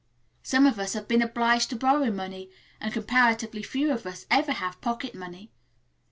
Some of us have been obliged to borrow money, and comparatively few of us ever have pocket money.